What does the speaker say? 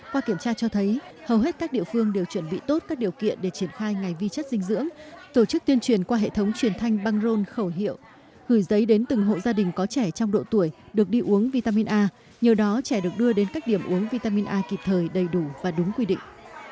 qua kiểm tra cho thấy hầu hết các địa phương đều chuẩn bị tốt các điều kiện để triển khai ngày vi chất dinh dưỡng tổ chức tuyên truyền qua hệ thống truyền thanh băng rôn khẩu hiệu gửi giấy đến từng hộ gia đình có trẻ trong độ tuổi được đi uống vitamin a nhiều đó trẻ được đưa đến các điểm uống vitamin a kịp thời đầy đủ và đúng quy định